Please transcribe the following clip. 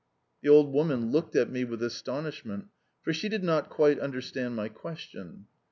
The old woman looked at me with astonishment, for she did not quite understand my question.